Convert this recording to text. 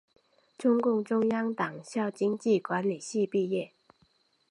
中共中央党校经济管理系毕业。